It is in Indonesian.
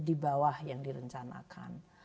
di bawah yang direncanakan